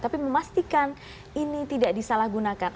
tapi memastikan ini tidak disalahgunakan